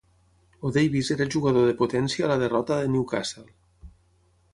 O'Davis era jugador de potència a la derrota de Newcastle.